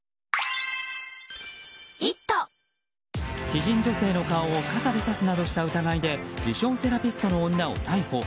知人女性の顔を傘で指すなどをした疑いで自称セラピストの女を逮捕。